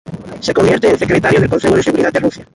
Se convierte en secretario del Consejo de Seguridad de Rusia.